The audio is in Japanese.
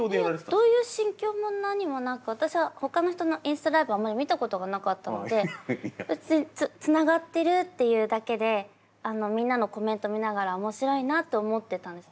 どういう心境も何もなく私はほかの人のインスタライブをあんまり見たことがなかったのでつながってるというだけでみんなのコメントを見ながら面白いなと思ってたんです。